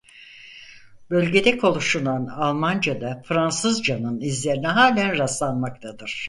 Bölgede konuşulan Almancada Fransızcanın izlerine halen rastlanmaktadır.